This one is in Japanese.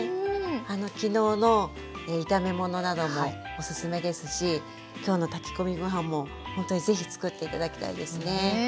昨日の炒め物などもおすすめですしきょうの炊き込みご飯もほんとに是非つくって頂きたいですね。